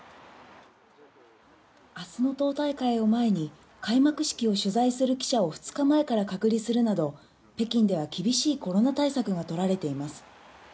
あすの党大会を前に、開幕式を取材する記者を２日前から隔離するなど、北京では厳しいコロナ対策が取られています。